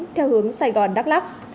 theo hướng sài gòn đắk lắk